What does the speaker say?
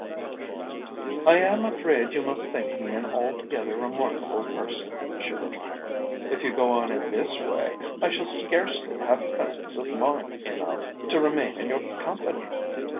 "I am afraid you must think me an altogether remarkable person," she returned. "If you go on in this way, I shall scarcely have presence of mind enough to remain in your company.